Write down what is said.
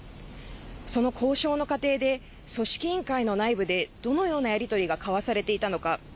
その交渉の過程で組織委員会の内部でどのようなやり取りが交わされていたのか。